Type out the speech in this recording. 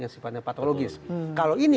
yang sifatnya patologis kalau ini